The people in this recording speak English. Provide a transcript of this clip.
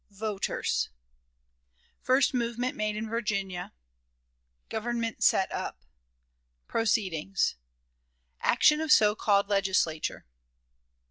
Voters. First Movement made in Virginia. Government set up. Proceedings. Action of So called Legislature.